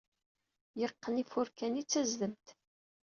Yeqqen ifurka-nni d tazdemt.